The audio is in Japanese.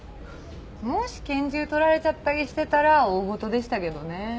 もし拳銃取られちゃったりしてたら大ごとでしたけどね。